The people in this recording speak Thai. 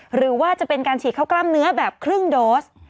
หรือว่าจะเป็นการฉีดเข้ากล้ามเนื้อแบบครึ่งโดส